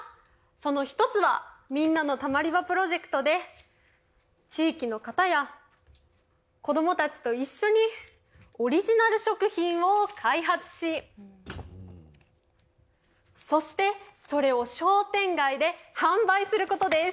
その１つはみんなのたまり場プロジェクトで地域の方や子どもたちと一緒にオリジナル食品を開発しそしてそれを商店街で販売することです。